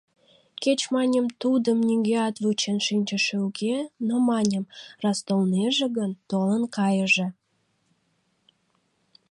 Кеч, маньым, тудым нигӧат вучен шинчыше уке, но, маньым, раз толнеже гын, толын кайыже.